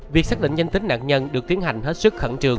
việc xác định danh tính nạn nhân được tiến hành hết sức khẩn trường